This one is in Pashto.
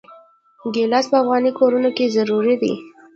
ګیلاس په افغاني کورونو کې ضروري دی.